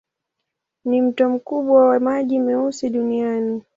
Ni mto mkubwa wa maji meusi duniani.